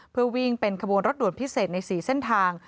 เพื่อวิ่งเป็นขบวนรถด่วนพิเศษใน๔เส้นทาง